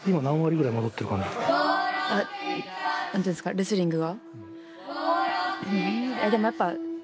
レスリングが？